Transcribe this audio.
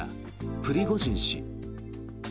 プリゴジン氏。